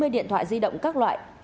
hai mươi điện thoại di động các loại